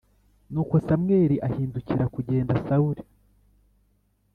Nuko Samweli agihindukira kugenda Sawuli